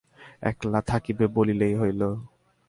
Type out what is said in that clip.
একলা থাকিবে বলিলেই হইল।